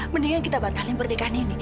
mendingan kita batalin pernikahan ini